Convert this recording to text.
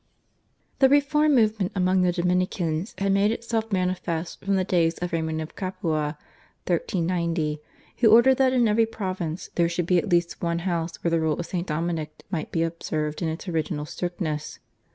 The reform movement among the Dominicans had made itself manifest from the days of Raymond of Capua (1390), who ordered that in every province there should be at least one house where the rule of St. Dominic might be observed in its original strictness.